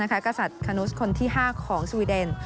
กษัตริย์คานุสคนที่๕ของสวีเดน